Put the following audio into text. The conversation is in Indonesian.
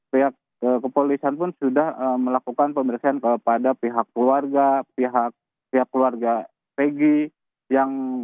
pihak kepolisian pun sudah melakukan pemeriksaan kepada pihak keluarga pihak keluarga pg yang